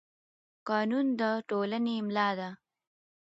قانون د ټولنې ملا ده